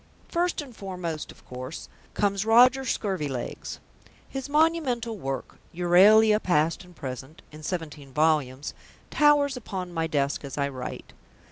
First and foremost, of course, comes Roger Scurvilegs. His monumental work, Euralia Past and Present, in seventeen volumes, towers upon my desk as I write.